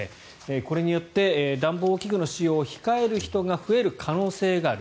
これによって暖房器具の使用を控える人が増える可能性がある。